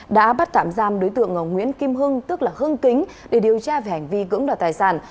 đã bắt tạm giam đối tượng nguyễn kim hưng tức là hưng kính để điều tra về hành vi cưỡng đoạt tài sản